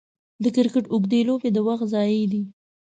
د کرکټ اوږدې لوبې د وخت ضايع دي.